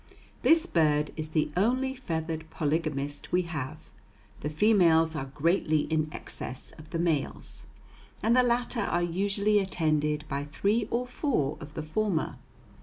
This bird is the only feathered polygamist we have. The females are greatly in excess of the males, and the latter are usually attended by three or four of the former.